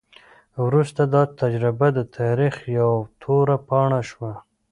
وروسته دا تجربه د تاریخ یوه توره پاڼه شوه.